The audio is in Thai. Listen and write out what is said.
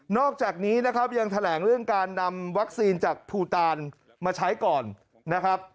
อกจากนี้นะครับยังแถลงเรื่องการนำวัคซีนจากภูตานมาใช้ก่อนนะครับ